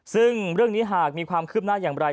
ซึ่งเรื่องนี้หากมีความคืบหน้าอย่างไร